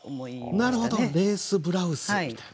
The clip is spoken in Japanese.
なるほどレースブラウスみたいな。